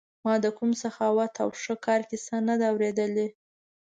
ما د کوم سخاوت او ښه کار کیسه نه ده اورېدلې.